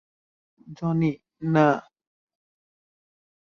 Johnny, না।